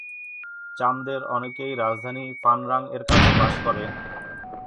চামদের অনেকেই রাজধানী ফান রাং-এর কাছে বাস করে।